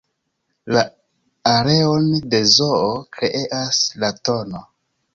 La areon de zoo kreas la tn.